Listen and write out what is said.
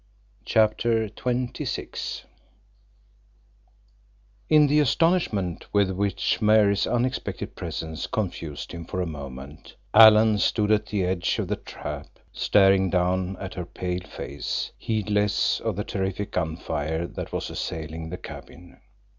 CHAPTER XXVI In the astonishment with which Mary's unexpected presence confused him for a moment, Alan stood at the edge of the trap, staring down at her pale face, heedless of the terrific gun fire that was assailing the cabin.